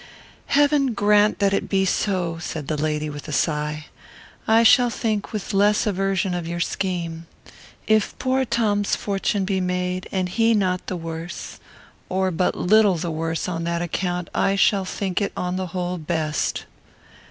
"Heaven grant that it be so!" said the lady, with a sigh. "I shall think with less aversion of your scheme. If poor Tom's fortune be made, and he not the worse, or but little the worse on that account, I shall think it on the whole best."